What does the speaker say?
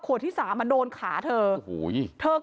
ขวดที่สามาโดนขาเธอ